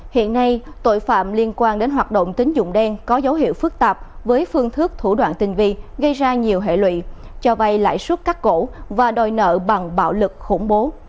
hiện nay tội phạm liên quan đến hoạt động tín dụng đen có dấu hiệu phức tạp với phương thức thủ đoạn tinh vi gây ra nhiều hệ lụy cho vay lãi suất cắt cổ và đòi nợ bằng bạo lực khủng bố